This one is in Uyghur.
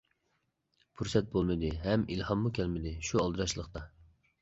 پۇرسەت بولمىدى ھەم ئىلھاممۇ كەلمىدى شۇ ئالدىراشلىقتا.